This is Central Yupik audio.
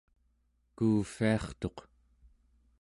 kuuvviartuq